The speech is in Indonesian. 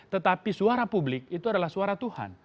tetapi suara publik itu adalah suara tuhan